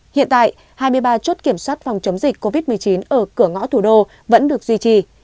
hiện tại hai mươi ba chốt kiểm soát phòng chống dịch covid một mươi chín ở cửa ngõ thủ đô vẫn được duy trì